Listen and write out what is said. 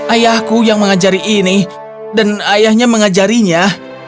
ayahku yang mengajari ini dan ayahnya mengajarinya